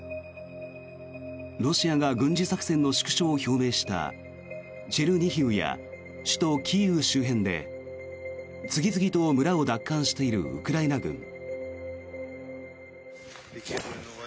ロシアが軍事作戦の縮小を表明したチェルニヒウや首都キーウ周辺で次々と村を奪還しているウクライナ軍。